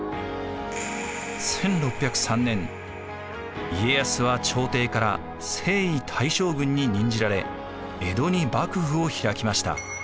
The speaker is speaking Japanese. １６０３年家康は朝廷から征夷大将軍に任じられ江戸に幕府を開きました。